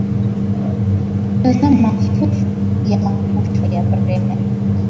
kutazama mafuvu ya makumbusho ya Bremen